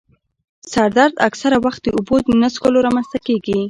سر درد اکثره وخت د اوبو نه څیښلو رامنځته کېږي.